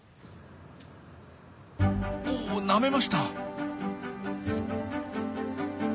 おなめました！